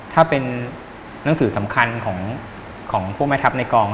ถ้าเป็นหนังสือสำคัญของพวกแม่ทัพในกอง